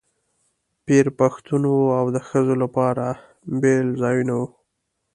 پیر پښتون و او د ښځو لپاره بېل ځایونه وو.